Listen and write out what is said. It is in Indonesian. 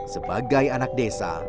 sebagai anak desa